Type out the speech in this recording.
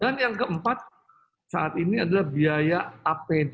dan yang keempat saat ini adalah biaya apd